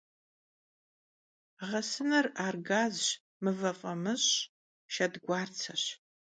Ğesınır — ar gazş, mıve f'amış'ş, şşedguartseş.